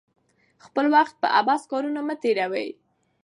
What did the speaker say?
خپل وخت په عبث کارونو مه تیروئ.